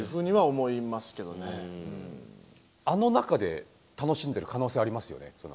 あの中で楽しんでる可能性ありますよね。